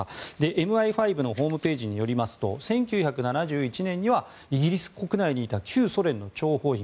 ＭＩ５のホームページによりますと１９７１年にはイギリス国内にいた旧ソ連の諜報員